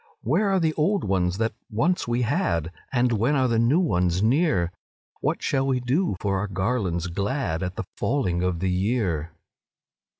Where are the old ones that once we had, And when are the new ones near? What shall we do for our garlands glad At the falling of the year?"